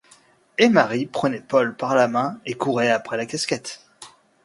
Et Marie prenait Paul par la main et courait après la casquette.